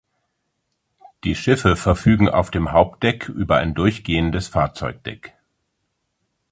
Die Schiffe verfügen auf dem Hauptdeck über ein durchgehendes Fahrzeugdeck.